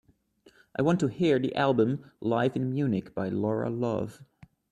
I want to hear the album Live In Munich by Laura Love.